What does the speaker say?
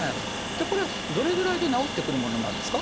これどれぐらいで治ってくるものなんですか？